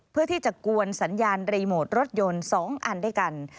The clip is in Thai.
เพื่อที่จะกวนสัญญาณรีโมทรถยนต์๒อันด้วยกัน